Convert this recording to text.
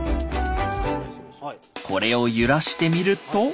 これを揺らしてみると。